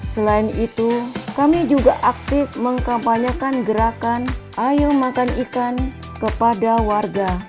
selain itu kami juga aktif mengkampanyekan gerakan ayo makan ikan kepada warga